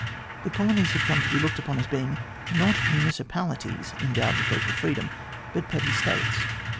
The colonies had come to be looked upon as being, not municipalities \ endowed with local freedom, but petty States.